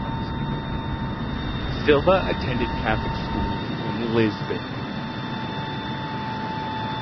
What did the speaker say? Silva attended Catholic schools in Lisbon.